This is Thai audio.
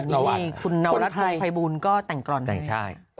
นี่คุณน้องรัฐภูมิไพบูลก็แต่งกรอนให้